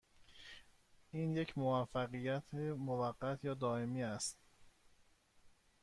این یک موقعیت موقت یا دائمی است؟